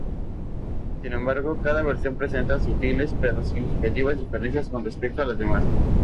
Sin embargo, cada versión presenta sutiles pero significativas diferencias con respecto a las demás.